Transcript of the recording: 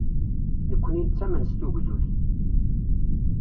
Nekkni nettamen s tugdut.